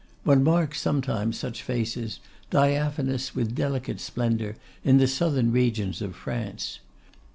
One marks sometimes such faces, diaphanous with delicate splendour, in the southern regions of France.